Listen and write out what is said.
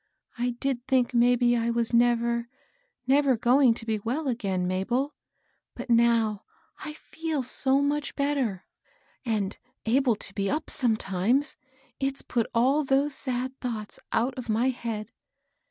I did think maybe I was never, never going to be well again, Mabel ; but now I feel so much better, and able to be up sometimes, it's put all those sad thoughts out of my head.